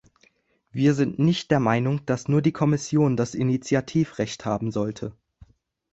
Wir sind nicht der Meinung, dass nur die Kommission das Initiativrecht haben sollte.